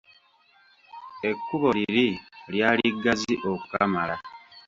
Ekkubo liri lyali ggazi okukamala.